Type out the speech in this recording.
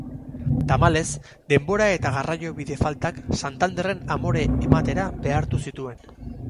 Tamalez, denbora eta garraiobide faltak Santanderren amore ematera behartu zituen.